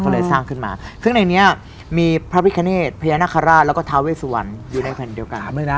ก็เลยสร้างขึ้นมาซึ่งในนี้มีพระพิคเนธพญานาคาราชแล้วก็ทาเวสุวรรณอยู่ในแผ่นเดียวกัน